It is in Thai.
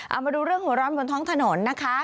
เอามาดูเรื่องหัวร้อนบนท้องถนนนะคะ